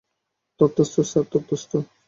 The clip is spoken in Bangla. তথাস্তু স্যার, তথাস্তু।